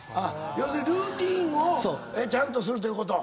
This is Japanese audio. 要するにルーティンをちゃんとするということ。